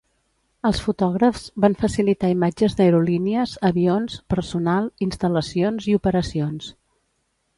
Els fotògrafs van facilitar imatges d'aerolínies, avions, personal, instal·lacions i operacions.